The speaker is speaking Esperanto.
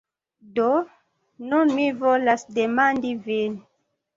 Do, nun mi volas demandi vin